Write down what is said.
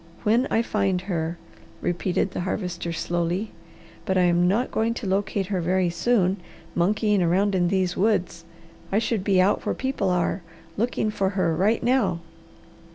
When I find her," repeated the Harvester slowly. "But I am not going to locate her very soon monkeying around in these woods. I should be out where people are, looking for her right now."